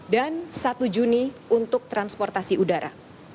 dan satu juni untuk transportasi udara